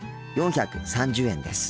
４３０円です。